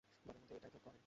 দলের মধ্যে এটাই তো করে।